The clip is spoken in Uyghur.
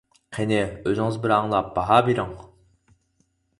قېنى ئۆزىڭىز بىر ئاڭلاپ باھا بېرىڭ!